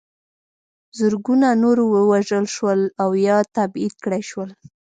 زرګونه نور ووژل شول او یا تبعید کړای شول.